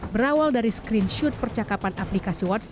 berawal dari screenshot percakapan aplikasi whatsapp